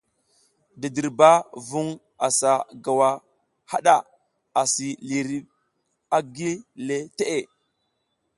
Didirba vung asa gowa haɗa, asi lihiriɗ a gile teʼe.